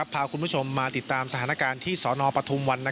พาคุณผู้ชมมาติดตามสถานการณ์ที่สนปฐุมวัน